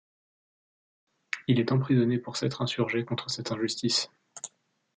Il est emprisonné pour s'être insurgé contre cette injustice.